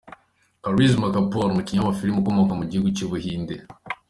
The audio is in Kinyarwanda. Karisma Kapoor, umukinnyi w’amafilimi ukomoka mu gihugu cy’u Buhinde.